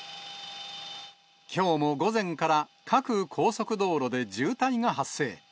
きょうも午前から、各高速道路で渋滞が発生。